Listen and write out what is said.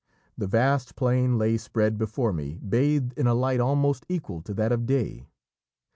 The vast plain lay spread before me bathed in a light almost equal to that of day.